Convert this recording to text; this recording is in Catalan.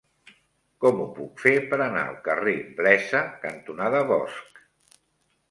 Com ho puc fer per anar al carrer Blesa cantonada Bosch?